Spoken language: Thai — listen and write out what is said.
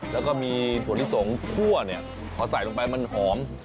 แล้วก็มีถั่วลิสงคั่วเนี่ยพอใส่ลงไปมันหอม